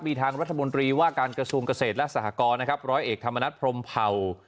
มีทางรัฐมนตรีว่าการกระทรวงเกษตรและสหกรนะครับร้อยเอกธรรมนัฐพรมเผ่า